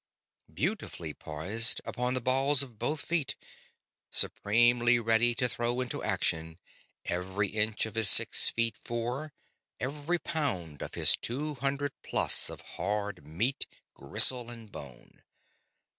Beautifully poised, upon the balls of both feet; supremely ready to throw into action every inch of his six feet four, every pound of his two hundred plus of hard meat, gristle, and bone.